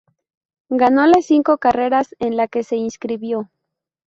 Ganó las cinco carreras en las que se inscribió.